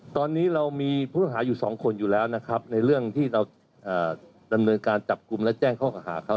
ตอนนี้เรามีผู้ต้องหาอยู่สองคนอยู่แล้วนะครับในเรื่องที่เราดำเนินการจับกลุ่มและแจ้งข้อเก่าหาเขา